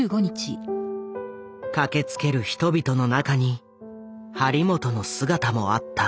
駆けつける人々の中に張本の姿もあった。